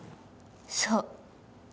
そう。